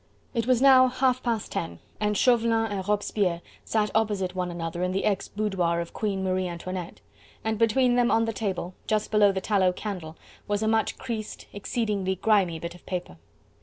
It was now half past ten, and Chauvelin and Robespierre sat opposite one another in the ex boudoir of Queen Marie Antoinette, and between them on the table, just below the tallow candle, was a much creased, exceedingly grimy bit of paper.